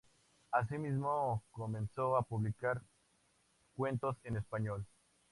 Asimismo, comenzó a publicar cuentos en español.